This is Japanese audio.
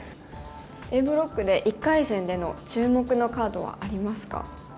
Ａブロックで１回戦での注目のカードはありますか？